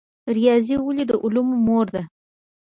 ریاضي ولې د علومو مور ده؟